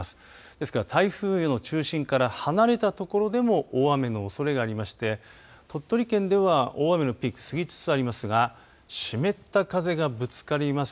ですから台風の中心から離れたところでも大雨のおそれがありまして鳥取県では大雨のピーク過ぎつつありますが湿った風がぶつかります